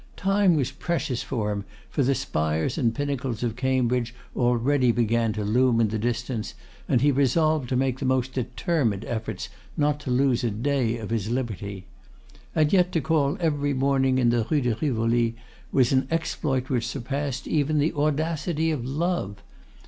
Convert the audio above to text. Time was precious for him, for the spires and pinnacles of Cambridge already began to loom in the distance, and he resolved to make the most determined efforts not to lose a day of his liberty. And yet to call every morning in the Rue de Rivoli was an exploit which surpassed even the audacity of love!